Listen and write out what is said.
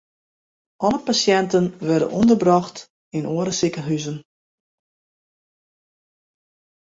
Alle pasjinten wurde ûnderbrocht yn oare sikehuzen.